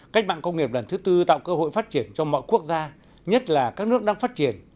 cách mạng công nghiệp lần thứ tư tạo cơ hội phát triển cho mọi quốc gia nhất là các nước đang phát triển